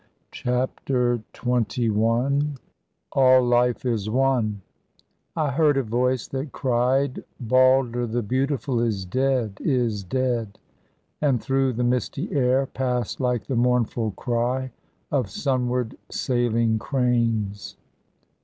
CHAPTER XXI ALL LIFE IS ONE 'I heard a voice that cried, "Balder the Beautiful Is dead, is dead," And through the misty air Passed like the mournful cry Of sunward sailing cranes.'